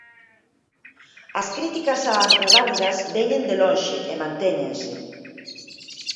As críticas ás reválidas veñen de lonxe e mantéñense.